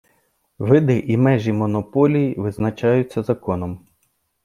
Види і межі монополії визначаються законом.